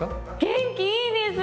元気いいです！